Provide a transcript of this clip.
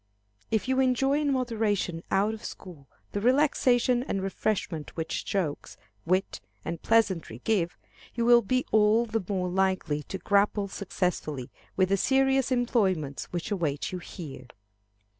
If you enjoy in moderation out of school the relaxation and refreshment which jokes, wit, and pleasantry give, you will be all the more likely to grapple successfully with the serious employments which await you here.